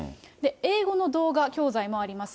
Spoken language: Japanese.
英語の動画教材もあります。